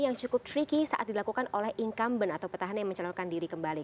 yang cukup tricky saat dilakukan oleh incumbent atau petahana yang mencalonkan diri kembali